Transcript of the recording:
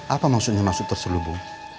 apa maksudnya maksud terselubung